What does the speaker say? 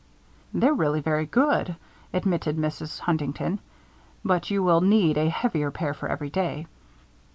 "They're really very good," admitted Mrs. Huntington. "But you will need a heavier pair for everyday."